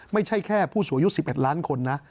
ไม่ใช่แค่ผู้สูงอายุ๑๑ล้านคนนะ